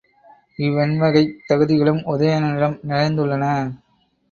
இவ்வெண்வகைத் தகுதிகளும் உதயணனிடம் நிறைந்துள்ளன.